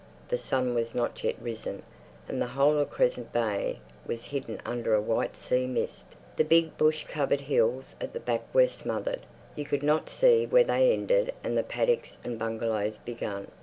The sun was not yet risen, and the whole of Crescent Bay was hidden under a white sea mist. The big bush covered hills at the back were smothered. You could not see where they ended and the paddocks and bungalows began.